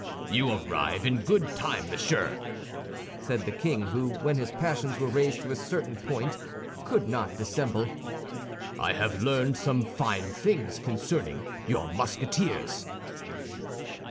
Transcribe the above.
"You arrive in good time, monsieur," said the king, who, when his passions were raised to a certain point, could not dissemble; "I have learned some fine things concerning your Musketeers."